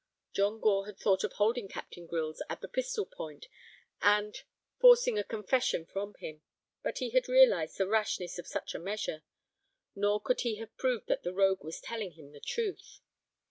John Gore had thought of holding Captain Grylls at the pistol point and of forcing a confession from him, but he had realized the rashness of such a measure; nor could he have proved that the rogue was telling him the truth.